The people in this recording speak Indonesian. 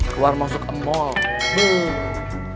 keluar masuk ke mall